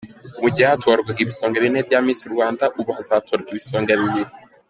Mu gihe hatorwaga ibisonga bine bya Miss Rwanda, ubu hazatorwa ibisonga bibiri.